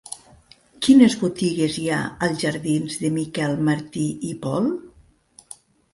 Quines botigues hi ha als jardins de Miquel Martí i Pol?